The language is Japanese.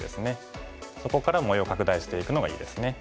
そこから模様を拡大していくのがいいですね。